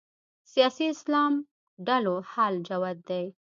سیاسي اسلام ډلو حال جوت دی